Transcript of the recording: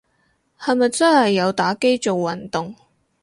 係咪真係有打機做運動